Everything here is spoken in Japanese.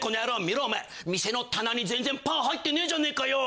見ろお前店の棚に全然パン入ってねえじゃねえかよ。